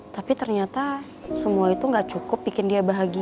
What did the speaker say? tapi ternyata semua itu gak cukup bikin dia bahagia